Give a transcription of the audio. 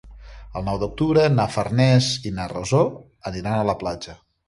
El nou d'octubre na Farners i na Rosó aniran a la platja.